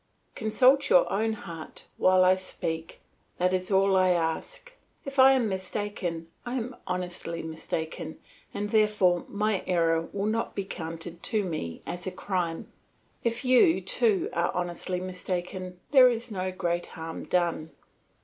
Consult your own heart while I speak; that is all I ask. If I am mistaken, I am honestly mistaken, and therefore my error will not be counted to me as a crime; if you, too, are honestly mistaken, there is no great harm done.